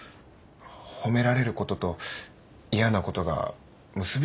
褒められることと嫌なことが結び付いてしまってるんですね。